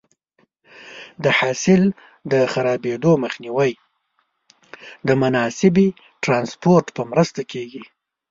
د حاصل د خرابېدو مخنیوی د مناسبې ټرانسپورټ په مرسته کېږي.